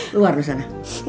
luar dari sana